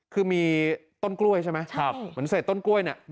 คือมีต้นกล้วยใช่ไหมเหมือนเศษต้นกล้วยเนี่ย